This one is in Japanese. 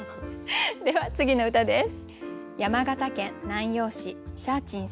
では次の歌です。